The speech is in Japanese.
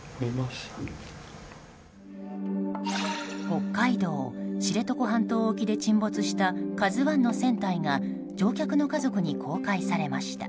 北海道知床半島沖で沈没した「ＫＡＺＵ１」の船体が乗客の家族に公開されました。